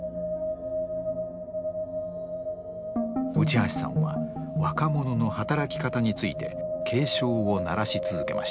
内橋さんは若者の働き方について警鐘を鳴らし続けました。